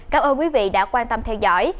cảm ơn quý vị đã quan tâm theo dõi